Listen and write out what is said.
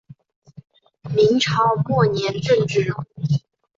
明朝末年政治人物。